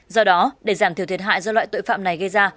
do đó để giảm thiểu thiệt hại do loại tội phạm này gây ra